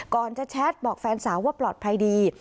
ก่อนจะแชทบอกแฟนสาวว่าปลอดภัยดี